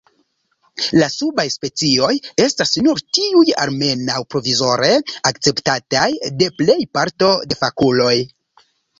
La subaj specioj estas nur tiuj almenaŭ provizore akceptataj de plej parto de fakuloj.